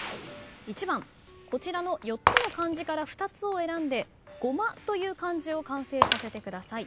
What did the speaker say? １番こちらの４つの漢字から２つを選んで「ごま」という漢字を完成させてください。